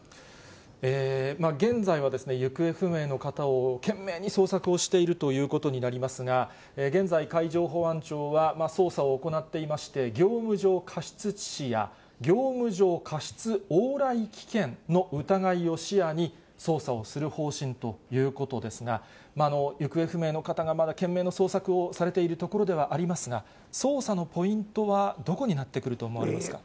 現在は行方不明の方を懸命に捜索をしているということになりますが、現在、海上保安庁は捜査を行っていまして、業務上過失致死や、業務上過失往来危険の疑いを視野に、捜査をする方針ということですが、行方不明の方がまだ懸命の捜索をされているところではありますが、捜査のポイントはどこになってくると思われますか。